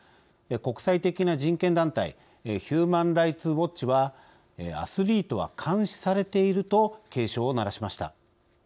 国際的な人権団体ヒューマン・ライツ・ウォッチはアスリートは監視されていると警鐘を鳴らしました。